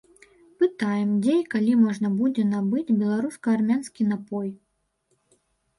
Пытаем, дзе і калі можна будзе набыць беларуска-армянскі напой.